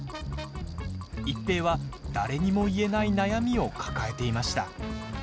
一平は誰にも言えない悩みを抱えていました。